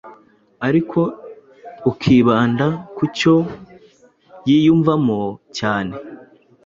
ariko ukibanda ku cyo yiyumvamo cyane